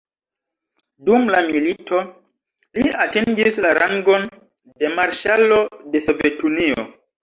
Dum la milito, li atingis la rangon de Marŝalo de Sovetunio.